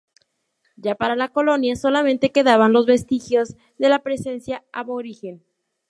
Ya para la colonia, solamente quedaban los vestigios de la presencia aborigen.